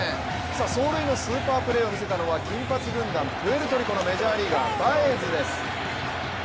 走塁のスーパープレーをみせたのは金髪軍団、プエルトリコのメジャーリーガー、バエズです。